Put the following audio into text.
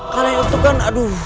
kalian itu kan aduh